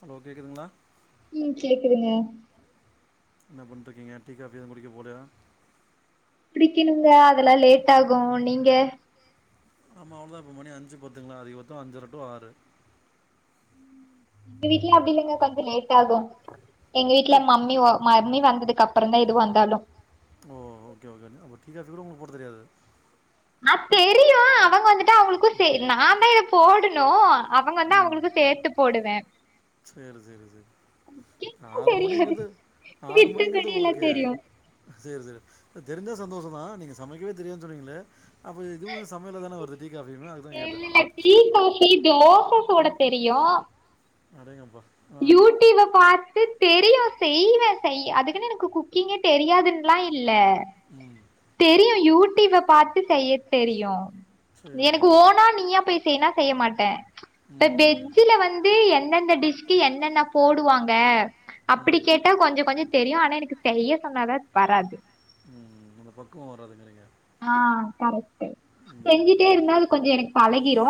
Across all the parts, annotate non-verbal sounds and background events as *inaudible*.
Hello கேக்குதுங்களா ம் கேக்குதுங்க எனா பண்ணுட்டுருக்கீங்க டீ காபி எதும் குடிக்க போலயா குடிக்கணுங்க அதெல்லா லேட் ஆகும் நீங்க ஆம அவ்ளோ தா இப்ப மணி அஞ்சு பத்துங்களா அதிக பச்சோ அஞ்சரை டு ஆறு எங்க வீட்ல அப்டி இல்லங்க கொஞ்சோ லேட் ஆகு எங்க வீட்டு்ல மம்மி ஓ மம்மி வந்ததுக்கு அப்றோ தா எதுவா இருந்தாலு ஓ ஓகே ஓகே அப்போ டீக்காபி கூட உங்களுக்கு போட தெரியாது அ தெரியு அவுங்க வந்துட்டா அவுங்களுக்கு நா தா இத போடணு அவுங்க வந்தா அவங்களுக்கு சேத்து போடுவே சேரி சேரி சேரி ஆறு மணிங்கிறது ஆறு மணிங்கிறது ஓகே சேரி சேரி தெரிஞ்சா சந்தோஷோ தா நீங்க சமைக்கவே தெரியாதுன்னு சொன்னீங்களே அப்ப இதுவு சமையல்ல தான வருது டீ காபியுமே அதுக்கு தா கேட்ட டி காபி தோச சுட தெரியு அடேங்கப்பா யூடியூப பாத்து தெரியு செய்வே செய் அதுக்குன்னு எனக்கு குக்கிங்கே தெரியாதுன்லா இல்ல தெரியு யூடிப்ப பாத்து செய்ய தெரியு எனக்கு ஓனா நீயா போய் செய்யனா செய்ய மாட்டே இப்ப வெஜ்ஜில வந்து எந்தெந்த டிஷ்க்கு என்னென்ன போடுவாங்க அப்டி கேட்டா கொஞ்ச கொஞ்சோ தெரியு ஆனா எனக்கு செய்ய சொன்னாதா வராது அந்த பக்குவே வராதுங்குறீங்க ஆ கரெக்ட் செஞ்சிட்டே இருந்தா அது கொஞ்சோ எனக்கு பழகிரு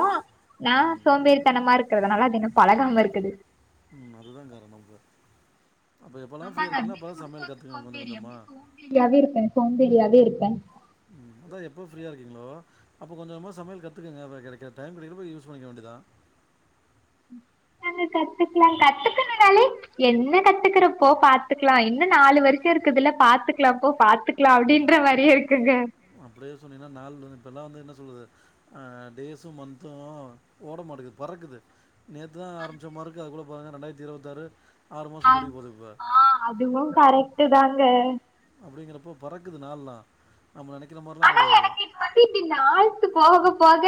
நா சோம்பேறித்தனமா இருக்கிறதுனால அது இன்னு பழகாம இருக்குது ம் அதுதா காரண இப்ப அப்போ எப்போல்லா ஃப்ரீயா இருக்கீங்களா அப்போலா சமையல் கத்துகங்க கொஞ்சோ கொஞ்சமா ஃப்ரீயாவே இருப்பே சோம்பேறியாவே இருப்பே ம் அதா எப்போ ஃப்ரீய இருங்களோ அப்போ கொஞ்ச கொஞ்சமாக சமையல் கற்றுக்கங்கப்ப கெடைக்கிற டைம் கெடைக்கிறப்பா யூஸ் பண்ணிக்க வேண்டியதா ம் கத்துக்கலா கத்துக்கணும்னால என்ன கத்துக்கற போ பாத்துக்கலா இன்னு நாலு வர்ஷ இருக்குதுல பாத்துக்கலா போ பாத்துக் க அப்டின்ற மாரியே இருக்குங்க அப்டியே சொன்னீங்கன்னா நாலு *inaudible* இப்பெல்லா வந்து என்ன சொல்லுது அ டேஸும் மந்த்தும் ஓட மாட்டக்குது பறக்குது நேத்து தா ஆரமிச்சமார்க்கு அதுக்குள்ள பாருங்க ரெண்டாயிரத்தி இருபத்தாறு ஆறு மாச முடிய போது இப்ப அதுவு கரெக்ட் தாங்க அப்டிங்கிறப்போ பறக்குது நாள்லா நம்ம நெனைக்கிற மாரிலா கெடையாது *unintelligible* நாள்ஸ் போக போக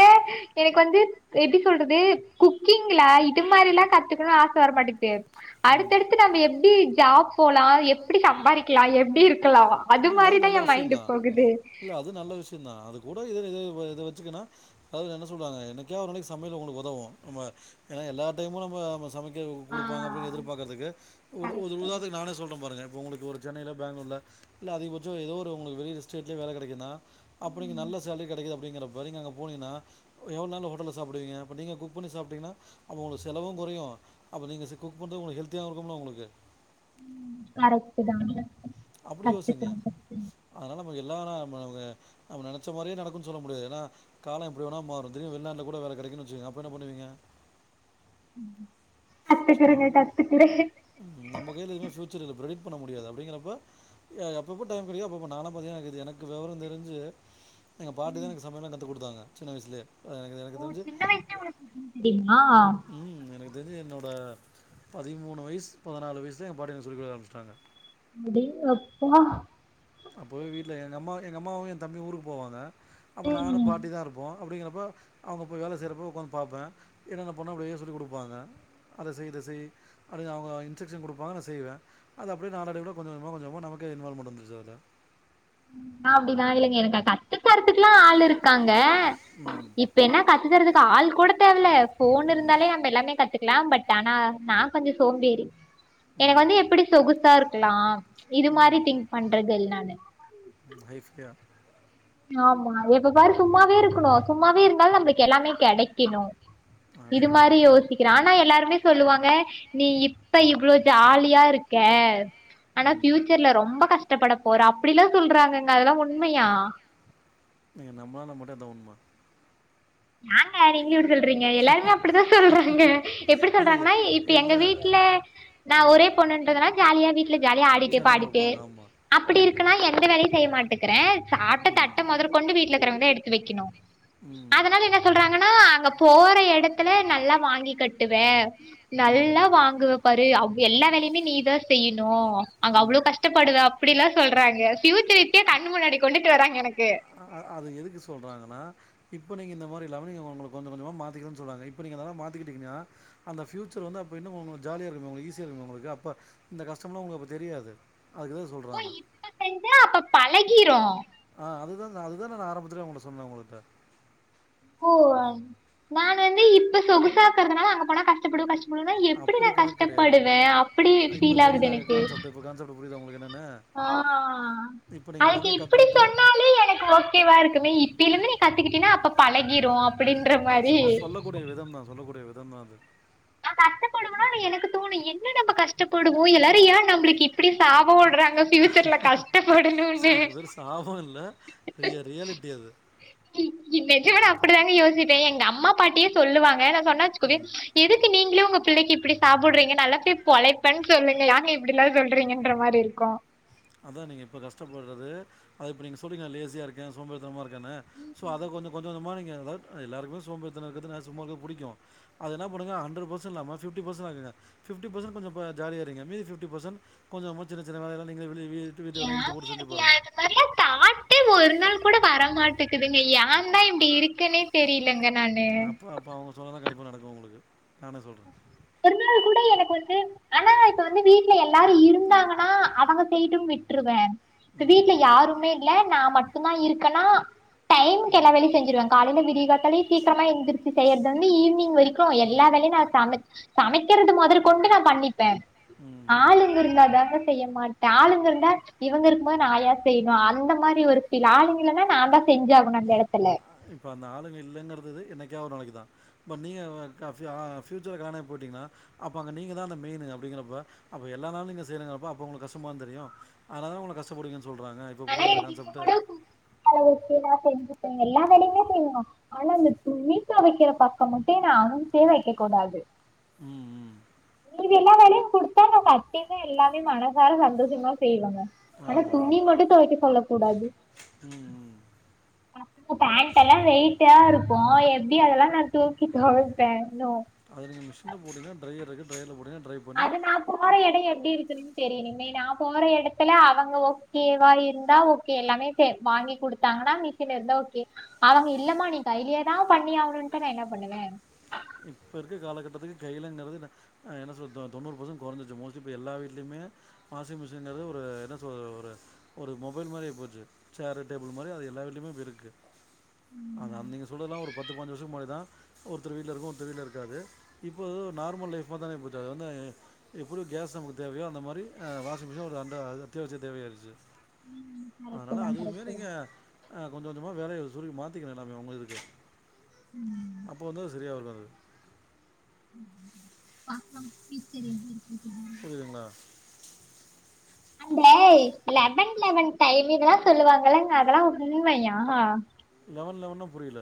எனக்கு வந்து எப்டி சொல்றது குக்கிங்ல இது மாரி எல்லா கத்துக்கணு ஆச வரமாட்டுக்குது அடுத்தடுத்து நம்ம எப்டி ஜாப் போலா எப்டி சம்பாரிக்லா எப்டி இருக்கலா அது மாதிரிதா எ மைண்டு போகுது அது நல்ல விஷய தா அது கூட இ *unintelligible* இத வச்சுக்கன்னா அதாவ்து என்ன சொல்லுவாங்க என்னைக்கோ ஒரு நாளைக்கு சமையல் உங்களுக்கு உதவு நம்ம ஏனா எல்லா டைமும் நம்ம நம்ம சமைக் *inaudible* குடுப்பாங்க அப்டின்னு எதிர்பாக்கறதுக்கு ஒரு ஒரு உதாரத்துக்கு நானே சொல்றே பாருங்க இப்ப உங்களுக்கு ஒரு சென்னையில பெங்களூர்ல இல்ல அதிகபட்ச ஏதோ ஒரு உங்களுக்கு பெரிய ஸ்டேட்ல வேல கெடைக்குன்னா அப்ப நீங்க நல்ல சேலரி கெடைக்கிது அப்டிங்றப்ப நீங்க அங்க போனீங்ன்னா எவ்ளோ நாள் ஹோட்டல்ல சாப்டுவீங்க அப்ப நீங்க குக் பண்ணி சாப்டிங்னா அப்ப உங்களுக்கு செலவு கொறையு அப்ப நீங்க குக் பண்றது உங்களுக்கு ஹெல்த்தியாவு இருக்கும்ல உங்களுக்கு ம் கரெக்ட்டு தா அப்டி யோசிங்க அதனால நமக்கு எல்லா *unintelligible* நம்ம நெனைச்ச மாரியே நடக்கும்ன்னு சொல்ல முடியாது ஏன்னா காலோ எப்டி வேணா மாறு திடீர்னு வெளிநாட்ல கூட வேல கெடைக்குனு வச்சிக்கங்க அப்ப என்ன பண்ணுவீங்க கத்துகிறேன்ங்க கத்துகிறே நம்ப கைல எதுமே பியூச்சர்ல பிரரைட் பண்ண முடியாது அப்டிங்கிறப்ப ஏ எப்பப்போ டைம்க்கு கெடைக்கிதோ அப்பப்ப நாலா பாத்தீங்கன்ன எனக்குது எனக்கு வெவர தெரிஞ்சு எங்க பாட்டி தா எனக்கு சமையலா கத்து குடுத்தாங்க சின்ன வயசுலியே ஓ சின்ன வயசுலே உங்களுக்கு *inaudible* தெரிமா ம் எனக்கு தெரிஞ்ச என்னோட பதிமூணு வய்சு பதினாலு வய்சே லே எங்க பாட்டி எனக்கு சொல்லிகுடுக்க ஆரம்பிச்சட்டாங்க அடிங்கப்பா அப்போவே வீட்ல எங்க அம்மா எங்க அம்மாவு என் தம்பி ஊருக்கு போவாங்க அப்போ நானு பாட்டி தா இருப்போ அப்டிங்கிறப்ப அவுங்கபோய் வேல செய்றப்ப உக்காந்து பாப்பே என்னென்ன பண்ணு அப்டியே சொல்லி குடுப்பாங்க அத செய் இத செய் அப்டின்னு அவுங்க இன்செக்ஷன் குடுபாங்க நா செய்வே அது அப்டியே நாள் அடைவுல கொஞ்ச கொஞ்சமா கொஞ்ச கொஞ்சமா நமக்க இன்வால்வ்ண்ட் வந்துச்ச அதுல அப்டிலா இல்லங்க எனக்கு கத்துக்தறத்துக்கெல்லா ஆள் இருக் இருக்காங்க இப்ப என்ன கத்து தறதுக்கு ஆள் கூட தேவல்ல ஃபோன் இருந்தாலே நம்ம எல்லாமே கத்துக்கலா பட் ஆனா நா கொஞ்சோ சோம்பேறி எனக்கு வந்து எப்டி சொகுசா இருக்கலா இது மாரி திங்க் பண்றதில் நானு ம் ஹை ஃபையா ஆமா எப்ப பாரு சும்மாவே இருக்குணு சும்மாவே இருந்தாலு நம்புளுக்கு எல்லாமே கெடைக்கிணு. இது மாரி யோசிக்கிறே ஆனா எல்லாருமே சொல்லுவாங்க நீ இப் ப இவ்ளோ ஜாலியா இருக்க ஆனா ஃபியூ ச்சர்ல ரொம்ப கஷ்டப்பட போற அப்பிடிலா சொல்றாங்கங்க அதெல்லா உண்மையா? நீங்க நம்னாலு நம்பாட்டா அதா உண்ம. யா ங்க நீங்களு இப்டி சொல்றீங்க எல்லாருமே அப்பிடிதா சொல்றாங்க எப்பிடி சொல்றாங்கன்னா இப்ப எங்க வீட்ல நா ஒரே பொண்ணுன்றதுனா ஜாலியா வீட்ல ஜாலியா ஆடிட்டு பாடிட்டு அப்பிடி இருக்கனா எந்த வேலையு செய்ய மாட்ட கிறே சாப்ட்ட தட்ட மொதற் கொண்டு வீட்ல இக்கிறவங்கதா எடுத்து வெக்கிணு. அதனால என்ன சொல்றாங்கனா அங்க போற எடத்துல நல்லா வாங்கி கட்டுவ நல்லா வாங்குவ பாரு அவ் எல்லா வேலைமே நீதா செய்ணு அங்க அவ்ளோ கஷ் டப்படுவ அப்பிடில்லா சொல்றாங்க ஃப்யூச்சர இப்பியே கண்ணு முன்னாடி கொண்டுட்டு வராங்க எனக்கு. அ அ அது எதுக்கு சொல்றாங்கனா இப்ப நீங்க இந்த மாரி இல்லாம நீங்க உங்கள கொஞ்ச கொஞ்சமா மாதிக்கணுன் சொல்றாங்க இப்ப நீங்க இதலா மாத்திட்டீங்கனா அந்த ஃப்யூச்சர் வந்து அப்போ இன்னு *unintelligible* ஜாலியா இருக்குணு உங்குளு ஈஸியா இருக்குணுமா உங்குளுக்கு அப்ப இந்த கஷ்டமலா உங்குளுக் அப்ப தெரியாது அது. அதுக்குதா சொல்றாங்க. இப்ப செஞ்சா அப்ப பழகிரு. ஆ அதுதா நா அதுதான நா ஆரம்பத்துலயே உங்கட்ட சொன்னே உங்ககிட்ட. ஓ நான் வந்து இப்ப சொகுசா இக்கறதுனால அங்க போனா கஷ்டப்படுவ கஷ்ட ப்படுவனா எப்பிடி நா கஷ்டப்படுவே அப்பிடி ஃபீல் ஆகுது எனக்கு. இப்ப கான்செப்ட்டு புரிதா உங்குளுக்கு என்னன்னு. ஆ அதுக்கு இப்பிடி சொன்னாலே எனக்கு ஒக் கேவா இருக்குமே இப்பிலிந்து நீ கத்துக்கிட்டினா அப்ப பழகிரு அ ஆ ஸ் சொல்லக்கூடிய விதம்தா சொல்லக்கூடிய விதந்தா அது. நா கஷ்டப்படுவனா ஆனா எனக்கு தோணு என்ன நம்ப கஷ்டப்படுவோ எல்லாரு ஏ நம்புளுக்கு இப்டி சாப உட்றாங்க ஸ் ஃபியூச்சர்ல கஷ்டப்படணுன்னு சாவோ இல்ல பெரிய ரியலிட்டி அது. நெஜமா நா அப்பிடித்தாங்க யோசிப்பே எங்க அம்மா பாட்டியே சொல்லுவாங்க நா சொன்னா‌ வெச்சுக்கொவே எதுக்கு நீங்ளே உங்க பிள்ளைக்கி இப்பிடி சாப உட்றிங்க நல்லா போய் பொழைப்பன் சொல்லுங்க ஏங்க இப்டிலா சொல் றிங்கன்ற மாரி இருக்கு. அதா நீங்க இப்ப கஷ்டப்பட்றது அது இப்ப நீங்க சொல்றீங்க அ லேசியாரு க்கே சோம்பேறிதனமா இருக்கேனு சோ அதை கொஞ்ச கொ ஞ்ச கொஞ்சமா நீங்க அதாவ்து அ எல்லாருக்குமே சோம்பேறித்தனோ இருக்கறது நா சும்மாருக்கறது புடிக்கு. அத என்ன பண்ணுங்க ஹன்ரடு பசன் இல்லாம ஃபிஃப்டி பசன் ஆக்குங்க. ஃபிஃப்டி பெசன்ட்டு கொஞ்சோ இப்ப ஜாலியா இருங்க மீதி ஃபிஃப்டி பெசென்ட் கொஞ்சமா சின்ன சின்ன வேலை எல்லா நீங்ளே வெளிய வீட்டு வீட்டு வேல்லா இழுந்து போட்டு செஞ்சி பாருங்க. ந்மார்லா தாட்டே ஒரு நாள் கூட வரமாட்டக்குதுங்க யாந்தா இப்டி இருக்கன்னே தெரிலங்கன் அப்ப அப்ப அவுங்க சொன்னதா கண்டிப்பா நடக்கு உங்குளுக்கு நானே சொல்றே. ஒருநாள் கூட எனக்கு வந்து ஆனா இப்ப வந்து வீட்ல எல் லாரு இருந்தாங்கன்னா அவங்க செய்ட்டுன் விட்ருவே. இப்ப வீட்ல யாருமே இல்ல நா மட்டுந்தா இருக்கன்னா டைம்க்கு எல்லா வேலயு செஞ்சிருவங். காலைல விடிய காத்தாலயே சீக்கிரமா எந்திரிச்சி செய்யறதுலந்து ஈவினிங் வரைக்கு எல்லா வேலையு நா அத சமைச் சமைக்கறது மொதற் கொண்டு நா பண்ணிப்பே. ம் ஆளுங்க இருந்தா தாங்க செய்ய மாட்ட ஆளுங்க இருந்தா இவங்க இருக்கும் போது நா ஏ செய்ணு அந்த மாரி ஒரு ஃபீல் ஆளுங்க இல்லனா நாந் தா செஞ்சாகணு அந்த எடத்துல இப்ப அந்த ஆளுங்க இல்லைங்கிறது என்னைகா ஒரு நாளைக்கு தா பட் நீங்க கா ஆ ஃப்யூச்சர காணாக போட்டிங்கன்னா அப்ப அங்க நீங்க தான மெய்னு அப்டிங்கிறப்ப அப்ப எல்லா நாலு நீங்க செய்யனுங்கிறப்ப அப்ப உங்களுக்கு கஷ்டமாதா தெரியு அதனாலதா உங்கள கஷ்டப்படுவீங்கன் சொல்றாங்க இப்ப புரிதா அந்த கான்செப்ட்டு கலவுச்சனா செஞ்சுப்ப எல்லா வலயுமே செய்வோ ஆனா அந்த துணி தொவைக்கிற பக்கோ மட்டு என்ன அனுப்பியே வைக்க கூடாது ம் ம் மீதி எல்லா வேலையு குடுத்தா நா சத்தியமா எல்லாமே மனசார சந்தோஷமா செய்வங்க ஆனா துணி மட்டு தொவைக்க சொல்ல கூடாது *unintelligible* பேண்ட் எல்லாம் வெயிட்டா இருக்கு எப்படி அதெல்லா நா தூக்கி தொவப்பே நோ அது நீங்க மிஷின்ல போடிங்க டிரையர் இருக்கு ட்ரையர்ல போடுங்க ட்ரை அது நா போற எடோ எப்டி இருக்குணுன் தெரிலிங் ளே நா போற எடத்துல அவங்க ஓகேவா இருந்தா ஓகே எல்லாமே வாங்கி குடுத்தாங்கன்னா மி ஷின் இருந்தா ஓகே அவங்க இல்லமா நீ கையிலே தா பண்ணி ஆகணுன்ட்டா நா என்ன பண்ணுவ இப்ப இருக்க காலகட்டத்துக்கு கையிலங்கிறது அ என்ன சொல்து தொண்ணூறு பர்சன் கொறஞ்சிருச்சி மோஸ்ட்லி இப்ப எல்லா வீடலயுமே வாஷிங் மிஷின்ங்கிறது ஒரு என்ன சொல்றது ஒரு ஒரு மொபைல் மாரி ஆய்போச்சி சரு டேபிள் மாரி அது எல்லா வீட்லயுமே இப்போ இருக்கு ஆ நீங்க சொல்றதுலா ஒரு பத்து பதுனஞ்சு வருஷம் முன்னடிதா ஒரு தருவிதி இருக்கு திடீர்னு இருக்காது இப்போ நார்மல் லைஃப்பா தான போச்சு அது வந்து எப்படி கேஸ் நமக்கு தேவயோ அந்த மாரி அ வாஷிங் மிஷின் ஒரு அ அத்தியாவசிய தேவையாயிச்சு அதனால அதயுமே நீங்க அ கொஞ்ச கொஞ்சமா வேலைய சுருக்கி மாத்திக்க எல்லாமே உங்க இருக்கு அப்போ வந்த சரியா வராது பாக்லா ஃப்யூச்சர் எப்டி இருக்குன்னு புரிதுங்ளா அண்டே லெவன் லெவன் டைம் இதெல்லா சொல்லுவாங்கல்லங்க அதெல்லா உண்மையா லெவன் லெவன்னா புரில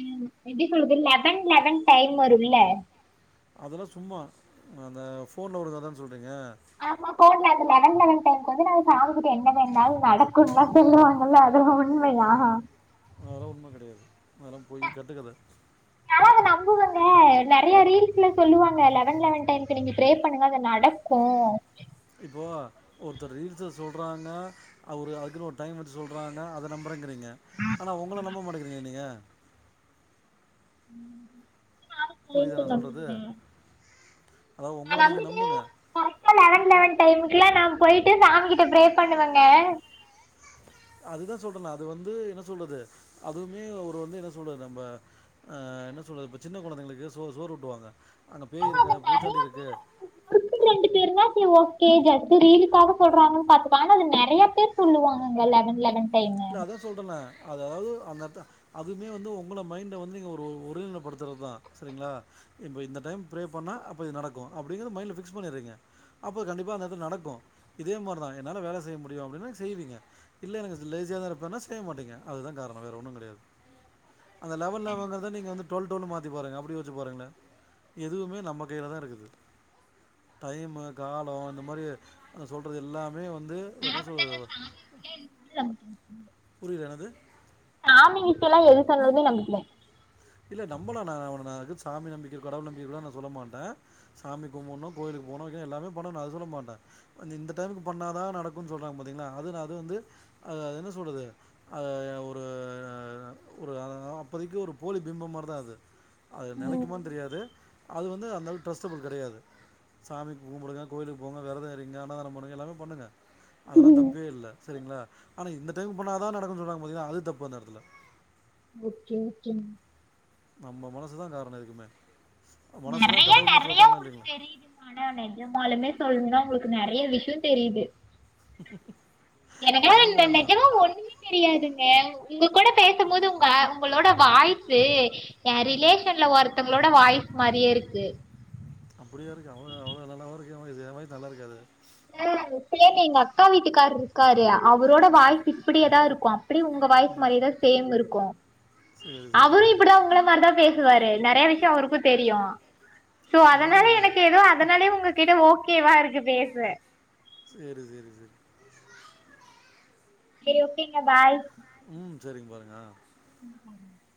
ம் எப்டி சொல்றது லெவன் லெவன் டைம் வருன்ல அதெல்லா சும்மா அந்த ஃபோன்ல் வரு அதான சொல்றீங்க ஆமா கோட்ல அது லெவன் லெவன் டைம்க்கு வந்து நாங்க சாமி கிட்ட என்ன வேண்ட்னாலு நடக்குன்லா சொல்லுவாங் கல்ல அதுல்லா உண்மையா அதெலா உண்ம கெடயாது அதெல்லா பொய்யி கட்டுக்கத நானா அதை நம்புவங்க நெறைய ரீல்ஸ்ல சொல்லுவாங்க லெவன் லெவன் டைம்க்கு நீங்க ப்ரே பண்ணுங்க அது நடக்கு இப்போ ஒருத்தர் ரீல்ஸ்ல சொல்றாங்க அவ ஒரு அதுக்குன்னு ஒரு டைமர் சொல்றாங்க அத நம்பரேங்கிறீங்க ஆனா ஒங்கள நம்ப மாட்டங்கிறீங்க நீங்க ம் நானு *unintelligible* நம்பிறே நா நம்பிட்டு கரெக்டா லெவன் லெவன் டைமுக்குலா நா போய்ட்டு சாமி கிட்ட ப்ரே பண்ணுவங்க அதுதா சொல்றன அது வந்து என்ன சொல்றது அதுமே ஒரு வந்து என்ன சொல்ற நம்ம அ என்ன சொல்றது இப்ப சின்ன கொழந்தைங்களுக்கு சோ சோறு ஊட்டுவாங்க அங்க பேய் இருக்கு பூச்சாண்டி இருக்கு ஓகே ஓகே ஜஸ்ட்டு ரீல்லுக்காக சொல்றாங்கன்னு பாத்தா ஆனா நெறைய பேர் சொல்லுவாங்கங்க லவன் லவன் டைமு இல்ல அதா சொல்றன அதாவது அந்த அத அதுமே வந்து உங்கள மைண்ட வந்து நீங்க ஒரு ஒருதிணைப்படுத்துறதுதா சரிங்களா இப்ப இந்த டைம் ப்ரே பண்ணா அப்ப இது நடக்கு அப்படிங்கறது மைண்ட்ல பிக்ஸ் பண்ணிறீங்க அப்போ கண்டிப்பா அந்நேரத்து நடக்கு இதே மாரிதா என்னால வேலை செய்ய முடியு அப்படின்னா செய்வீங்க இல்ல எனக்கு லேசியா தா இருப்பேனா செய்ய மாட்டிங்க அதுதா காரண வேற ஒன்னு கெடயாது அந்த லெவன் லெவன்ங்கரத நீங்க வந்து டுவெல் டுவெல்னு மாத்தி பாருங்க அப்படி வச்சு பாருங்களே எதுவுமே நம்ம கையிலதா இருக்குது டைமு கால இந்த மாரி சொல்றது எல்லாமே வந்து என்ன சொல் *unintelligible* புரியல என்னது சாமிங்கிட்டல்லா எது சொன்னாலுமே நம்பிக்க இல்ல இல்ல நம்மள நா அவன நா எது சாமி நம்பிக்கை கடவுள் நம்பிக்கை கூட நா சொல்ல மாட்டே சாமி கும்புணு கோவிலுக் போனு எல்லாமே பண்ணணு நா அத சொல்ல மாட்டே ஒன்னு இந்த டைமுக்கு பண்ணாதா நடக்கும்ன்னு சொல்றாங்க பாத்தீங்கன்னா அதுனா அது வந்து அ என்ன சொல்றது அ ஒரு ஒரு அப்போதைக்கு ஒரு போலி பிம்பம் மாரிதா அது அது நெலைக்குமானு தெரியாது அது வந்து அந்தளவு டிரஸ்டபுள் கெடையாது சாமிக்கு கூம்புடுங்க கோவிலுக்கு போங்க வெரத இருங்க அன்னாதானம் பண்ணுங்க எல்லாமே பண்ணுங்க அதெல்லா தப்பே இல்ல சரிங்களா ஆனா இந்த டைம் பண்ணாதா நடக்குன் சொல்றாங்க பாத்தீங்கன்னா அது தப்பு அந்த எடத்துல ஓகே ஓகே நம்ம மனசுதா காரண எதுக்குமே நெறைய நெறைய உங்களுக்கு தெரியுது ஆனா நெஜமாலுமே சொல்லுனா உங்களுக்கு நெறைய விஷய தெரியுது *unintelligible* எனக்குதா ந நஜமா ஒண்ணுமே தெரியாதுங்க உங்க கூட பேசும்போது உங்க உங்களோட வாய்ஸ்சு ஏ ரிலேஷன்ல ஒருத்தவங்களோட வாய்ஸ் மாரியே இருக்கு அப்படியா இருக்கு அவளோ அவ்வளோ நல்லாவா இருக்கு ஏ வாய்ஸ்சு ஏ வாய்ஸ் நல்லா இருக்காது சார் சரி எங்கக்கா வீட்டுக்காரு இருக்காரு அவரோட வாய்ஸ் இப்படியேதா இருக்கு அப்டி உ உங்க வாய்ஸ் மாரியேதா சேம் இருக்கு அவரே அப்டிதா உங்கள மாரிதா பேசுவாரு நெறைய விஷய அவருக்கு தெரியு சோ அதனால எனக்கு ஏதோ அதனாலயே உங்ககிட்ட ஓகேவா இருக்கு பேச சரி சரி சரி சரி ஓகேங்க பாய் ம் சரிங்க பாருங்க ஆ *inaudible*